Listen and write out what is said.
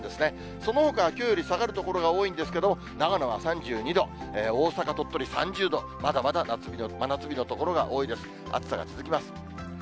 そのほかはきょうより下がる所が多いんですけれども、長野は３２度、大阪、鳥取３０度、まだまだ真夏日の所が多いです。